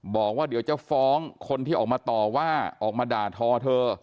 บอกว่าเดี๋ยวจะฟ้องคนที่ออกมาต่อว่าออกมาด่าทอเธอ